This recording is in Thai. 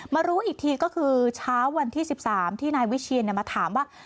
รู้อีกทีก็คือเช้าวันที่๑๓ที่นายวิเชียนมาถามว่า